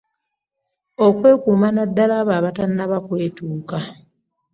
Okwekuuma naddala abo abatannaba kwetuuka.